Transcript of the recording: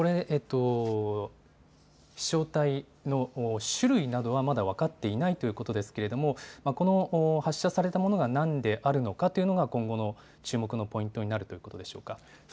飛しょう体の種類などはまだ分かっていないということですが発射されたものが何であるのかというのが今後の注目のポイントになるということでしょうか。